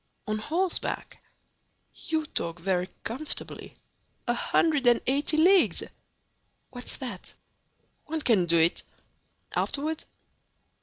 "On horseback." "You talk very comfortably,—a hundred and eighty leagues!" "What's that?" "One can do it! Afterward?"